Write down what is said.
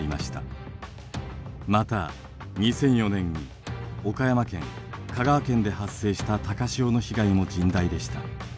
また２００４年に岡山県香川県で発生した高潮の被害も甚大でした。